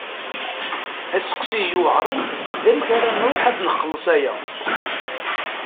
Asteqsi i yuɛṛen d amek ara nṛuḥ ad nxelleṣ aya.